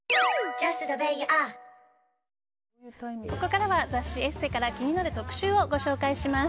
ここからは雑誌「ＥＳＳＥ」から気になる特集をご紹介します。